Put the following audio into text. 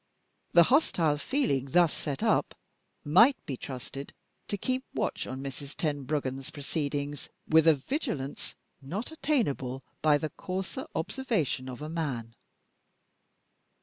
The hostile feeling thus set up might be trusted to keep watch on Mrs. Tenbruggen's proceedings, with a vigilance not attainable by the coarser observation of a man.